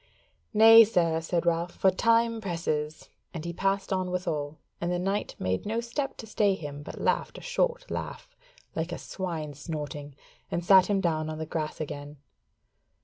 "Nay, sir," said Ralph, "for time presses;" and he passed on withal, and the knight made no step to stay him, but laughed a short laugh, like a swine snorting, and sat him down on the grass again.